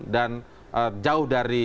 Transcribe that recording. dan jauh dari